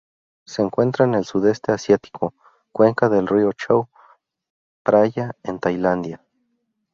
Se encuentra en el Sudeste asiático: cuenca del río Chao Phraya en Tailandia.